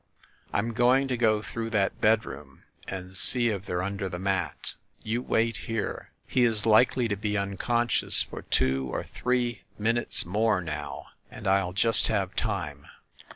I'm going to go through that bedroom and see if they're under the mat. You wait here. He is likely to be unconscious for two or three minutes more now, and I'll just have time."